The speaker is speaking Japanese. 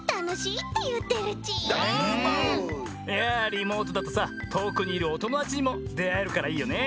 いやリモートだとさとおくにいるおともだちにもであえるからいいよね。